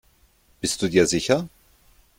Bist du dir sicher?